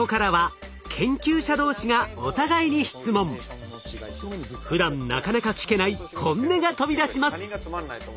ここからはふだんなかなか聞けない本音が飛び出します。